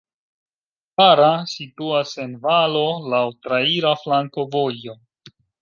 Bara situas en valo, laŭ traira flankovojo.